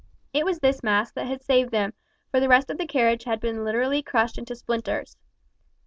It was this mass that saved them, for the rest of the carriage had been literally crushed into splinters.